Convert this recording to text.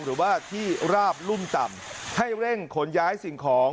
หรือว่าที่ราบรุ่มต่ำให้เร่งขนย้ายสิ่งของ